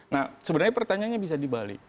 nah sebenarnya pertanyaannya bisa dibalik